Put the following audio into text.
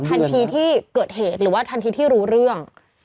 ทันทีที่เกิดเหตุหรือว่าทันทีที่รู้เรื่อง